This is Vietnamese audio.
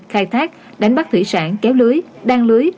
khai thác đánh bắt thủy sản kéo lưới đăng lưới